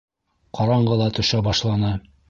Ҡараңғы ла төшә башланы.